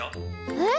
えっ？